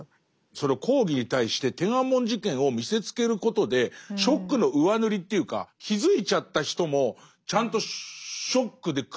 その抗議に対して天安門事件を見せつけることでショックの上塗りというか気付いちゃった人もちゃんとショックで屈服させられる。